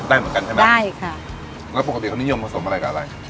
ได้เหมือนกันใช่ไหมใช่ค่ะแล้วปกติเขานิยมผสมอะไรกับอะไร